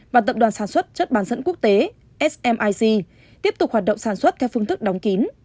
và tập đoàn sản xuất chất bán dẫn quốc tế smic tiếp tục hoạt động sản xuất theo phương thức đóng kín